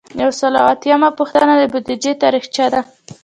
یو سل او اتیایمه پوښتنه د بودیجې تاریخچه ده.